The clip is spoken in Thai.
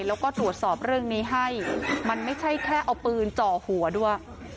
แล้วก็ตรวจสอบเรื่องนี้ให้มันไม่ใช่แค่เอาปืนจ่อหัวด้วย